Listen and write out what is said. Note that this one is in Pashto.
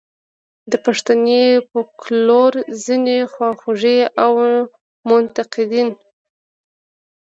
د پښتني فوکلور ځینې خواخوږي او منتقدین.